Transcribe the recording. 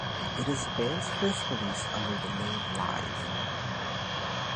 It is the band's first release under the name Live.